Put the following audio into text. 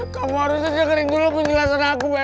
kamu harus dengerin dulu penjelasan aku bebek